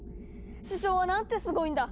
師匠はなんてすごいんだ！